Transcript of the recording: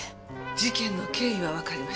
事件の経緯はわかりました。